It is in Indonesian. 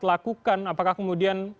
lakukan apakah kemudian